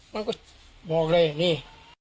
มันก็บอกเลยนี่